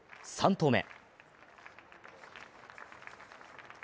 ３投目。